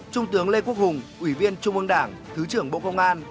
trung tướng lê quốc hùng ủy viên trung ương đảng